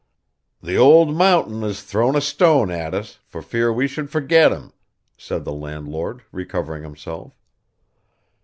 'The old mountain has thrown a stone at us, for fear we should forget him,' said the landlord, recovering himself.